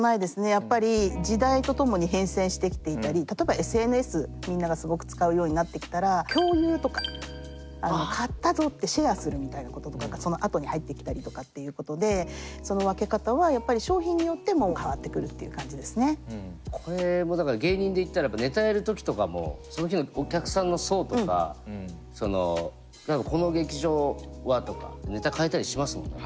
やっぱり時代とともに変遷してきていたり例えばＳＮＳみんながすごく使うようになってきたら共有とか買ったぞってシェアするみたいなこととかがそのあとに入ってきたりとかっていうことでそのこれもだから芸人で言ったらネタやるときとかもその日の流れとかがあると思うんで。